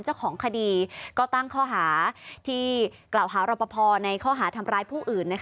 เจ้าของคดีก็ตั้งข้อหาที่กล่าวหารอปภในข้อหาทำร้ายผู้อื่น